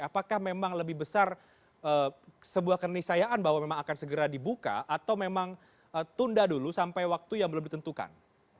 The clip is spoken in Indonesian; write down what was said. apakah memang lebih besar sebuah kenisayaan bahwa memang akan segera dibuka atau memang tunda dulu sampai waktu yang belum ditentukan